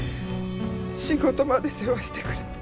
仕事まで世話してくれて。